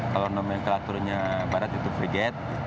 kalau nomenklaturnya barat itu frigate